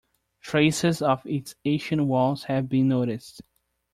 Traces of its ancient walls have been noticed.